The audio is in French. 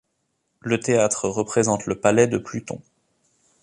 Le théâtre représente le Palais de Pluton.